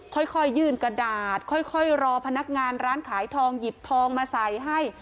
ค่อยยื่นกระดาษค่อยรอพนักงานร้านขายทองหยิบทองมาใส่ให้